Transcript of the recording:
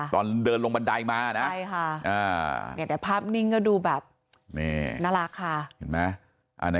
ตอนเดินลงบันไดมานะ